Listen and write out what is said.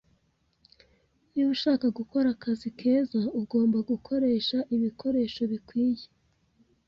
Niba ushaka gukora akazi keza, ugomba gukoresha ibikoresho bikwiye.